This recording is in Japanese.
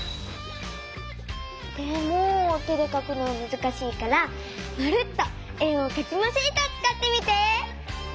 でも手でかくのはむずしいから「まるっと円をかきまシート」をつかってみて！